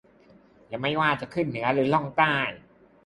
และไม่ว่าจะขึ้นเหนือหรือล่องใต้